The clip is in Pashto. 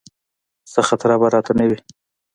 څه خطره به راته نه وي.